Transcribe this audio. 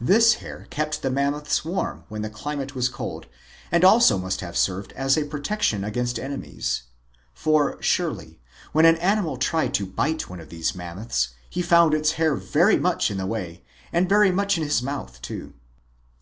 This hair kept the Mammoths warm when the cli mate was cold and also must have served as a protec tion against enemies. For surely when an animal tried to bite one of these Mammoths he found its hair very much in his way, and very much in his mouth, too.